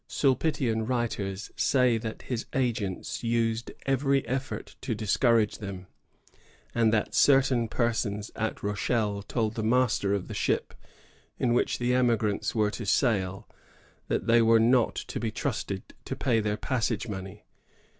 Sulpitian writers say that his agents used every effort to discourage them, and that certain persons at Rochelle told the master of the ship in which the emigrants were to sail that they were not to be trusted to pay their passage money.